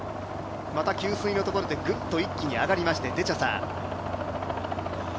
給水のところで、またぐっと上がりまして、デチャサ。